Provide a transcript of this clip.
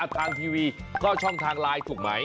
ทางทีวีก็ช่องทางไลน์ถูกไหม